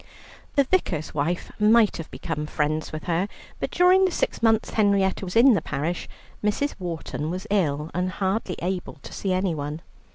The Vicar's wife might have become friends with her, but during the six months Henrietta was in the parish Mrs. Wharton was ill and hardly able to see anyone.